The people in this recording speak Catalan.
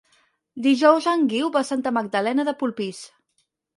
Dijous en Guiu va a Santa Magdalena de Polpís.